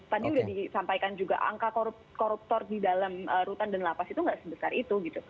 tadi sudah disampaikan juga angka koruptor di dalam rutan dan lapas itu nggak sebesar itu gitu